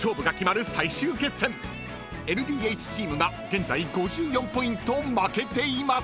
［ＬＤＨチームが現在５４ポイント負けています］